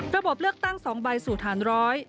ระบบเลือกตั้ง๒ใบสู่ฐานร้อย